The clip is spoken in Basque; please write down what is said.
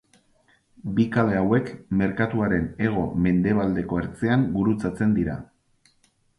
Bi kale hauek merkatuaren hego-mendebaldeko ertzean gurutzatzen dira.